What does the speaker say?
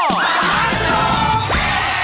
โอเบอร์โจร